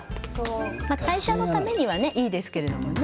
代謝のためにはいいですけどね。